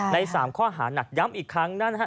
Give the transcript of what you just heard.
ใน๓ข้อหาหนักย้ำอีกครั้ง